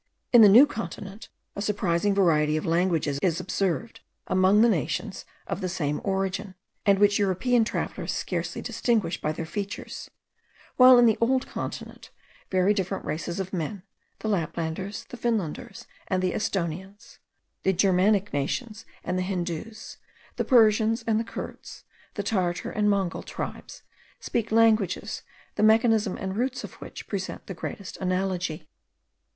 In the new continent a surprising variety of languages is observed among nations of the same origin, and which European travellers scarcely distinguish by their features; while in the old continent very different races of men, the Laplanders, the Finlanders, and the Estonians, the Germanic nations and the Hindoos, the Persians and the Kurds, the Tartar and Mongol tribes, speak languages, the mechanism and roots of which present the greatest analogy.